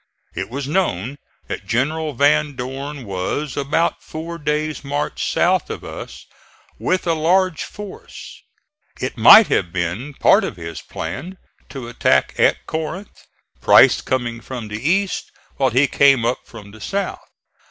It was known that General Van Dorn was about a four days' march south of us, with a large force. It might have been part of his plan to attack at Corinth, Price coming from the east while he came up from the south.